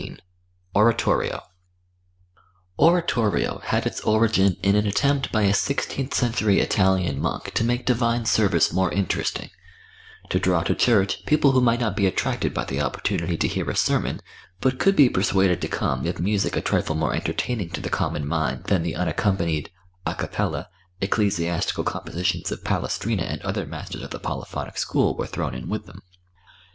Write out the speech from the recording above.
XV ORATORIO Oratorio had its origin in an attempt by a sixteenth century Italian monk to make divine service more interesting to draw to church people who might not be attracted by the opportunity to hear a sermon, but could be persuaded to come if music a trifle more entertaining to the common mind than the unaccompanied (à capella) ecclesiastical compositions of Palestrina and other masters of the polyphonic school, were thrown in with them.